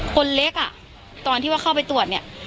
คนเล็กอ่ะตอนที่ว่าเข้าไปตรวจเนี่ย